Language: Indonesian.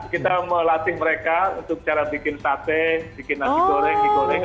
kita melatih mereka untuk cara bikin sate bikin nasi goreng digoreng